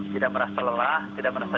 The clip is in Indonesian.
tidak merasa lelah tidak merasa